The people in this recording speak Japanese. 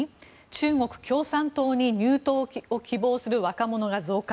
中国共産党に入党を希望する若者が増加。